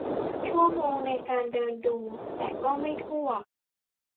ชั่วโมงในการเดินดูแต่ก็ไม่ทั่ว